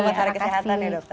buat hari kesehatan ya dokter